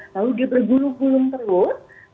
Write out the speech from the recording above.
lalu dia berbulu gulung terus